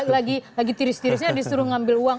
jadi lagi tiris tirisnya disuruh mengambil uang